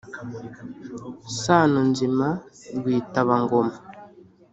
sano nzima rwitaba-ngoma